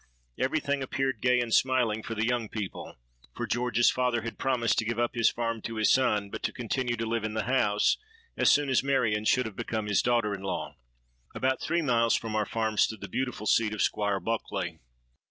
Every thing appeared gay and smiling for the young people; for George's father had promised to give up his farm to his son, but to continue to live in the house, as soon as Marion should have become his daughter in law. "About three miles from our farm stood the beautiful seat of Squire Bulkeley.